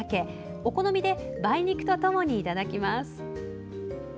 お好みで梅肉とともにいただきます。